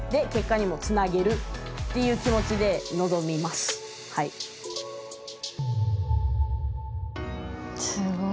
すごい。